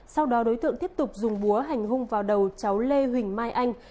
sau đó đối tượng tiếp tục dùng búa hành hung vào đầu cháu lê huỳnh mai anh